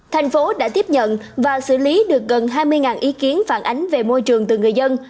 thành phố đã tiếp nhận và xử lý được gần hai mươi ý kiến phản ánh về môi trường từ người dân